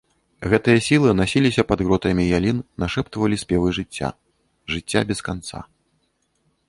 Гэтыя сілы насіліся пад гротамі ялін, нашэптвалі спевы жыцця, жыцця без канца.